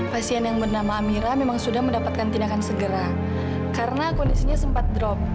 pasien yang bernama amira memang sudah mendapatkan tindakan segera karena kondisinya sempat drop